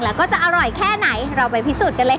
เพราะว่าผักหวานจะสามารถทำออกมาเป็นเมนูอะไรได้บ้าง